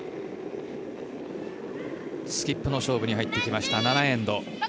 スキップの勝負に入ってきた７エンド。